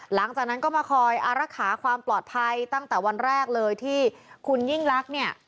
หลังจากนั้นก็มาคอยอารักษาความปลอดภัยตั้งแต่วันแรกเลยที่คุณยิ่งลักษณ์เนี่ย